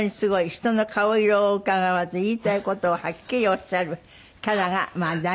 人の顔色をうかがわず言いたい事をはっきりおっしゃるキャラがまあ大人気。